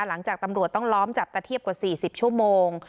หลังจากตำรวจต้องล้อมจับตะเทียบกว่า๔๐ชั่วโมง